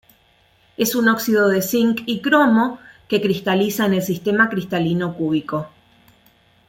Es un óxido de zinc y cromo, que cristaliza en el sistema cristalino cúbico.